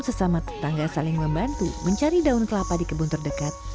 sesama tetangga saling membantu mencari daun kelapa di kebun terdekat